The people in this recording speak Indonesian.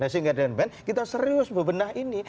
sehingga dengan band kita serius bebenah ini